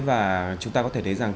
và chúng ta có thể thấy rằng